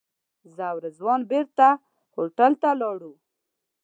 زه او رضوان بېرته هوټل ته لاړو.